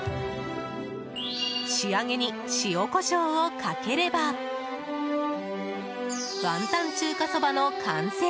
仕上げに塩、コショウをかければ雲呑中華そばの完成。